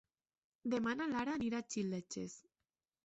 Demà na Lara anirà a Xilxes.